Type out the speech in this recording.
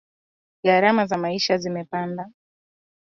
Gharama ya maisha zimepanda